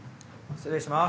失礼します。